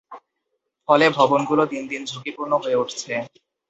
ফলে ভবনগুলো দিন দিন ঝুঁকিপূর্ণ হয়ে উঠছে।